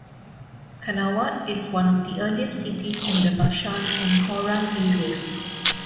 Qanawat is one of the earliest cities in the Bashan and Hauran areas.